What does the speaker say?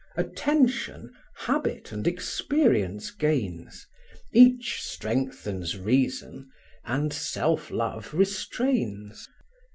Attention, habit and experience gains; Each strengthens reason, and self love restrains.